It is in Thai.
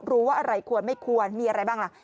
รู้ว่าอะไรควรไม่ควรมีอะไรบ้างล่ะ